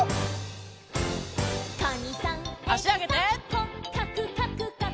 「こっかくかくかく」